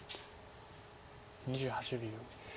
２８秒。